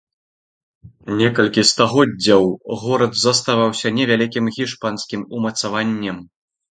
Некалькі стагоддзяў горад заставаўся невялікім іспанскім умацаваннем.